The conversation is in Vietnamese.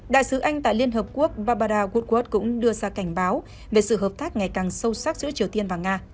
đại sứ anh tại liên hợp quốc babara goodwat cũng đưa ra cảnh báo về sự hợp tác ngày càng sâu sắc giữa triều tiên và nga